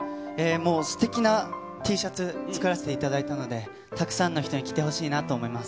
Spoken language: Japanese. もう、すてきなＴシャツ作らせていただいたので、たくさんの人に着てほしいなと思います。